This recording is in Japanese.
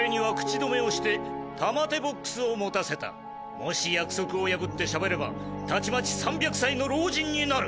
もし約束を破ってしゃべればたちまち３００歳の老人になる。